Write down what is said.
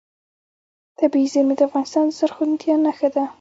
طبیعي زیرمې د افغانستان د زرغونتیا نښه ده.